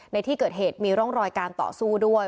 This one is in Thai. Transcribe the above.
ในที่เกิดเหตุมีร่องรอยการต่อสู้ด้วย